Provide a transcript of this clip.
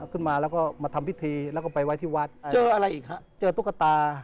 ขึ้นมาแล้วก็มาทำพิธีแล้วก็ไปไว้ที่วัดเจออะไรอีกฮะเจอตุ๊กตา